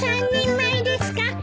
３人前ですか？